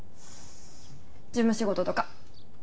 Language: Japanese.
事務仕事とか。